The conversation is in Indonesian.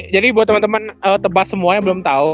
jadi buat temen temen tebas semua yang belum tau